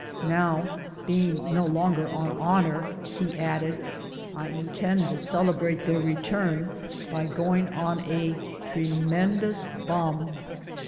Now, being no longer on honor, he added, " I intend to celebrate their return by going on a tremendous * bum.'